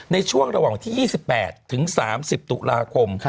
ในช่วงระหว่างที่๒๘ถึง๓๐ตุลาคม